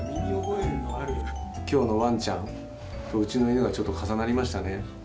きょうのわんちゃんと、うちの犬がちょっと重なりましたね。